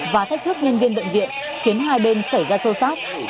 và thách thức nhân viên bệnh viện khiến hai bên xảy ra sô sát